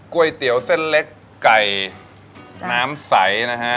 ก๋วยเตี๋ยวเส้นเล็กไก่น้ำใสนะฮะ